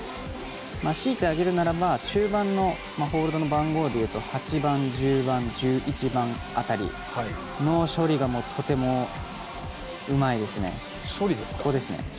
強いて挙げるならば中盤の、ホールドの番号でいうと８番、１０番１１番辺りの処理がとてもうまいですね。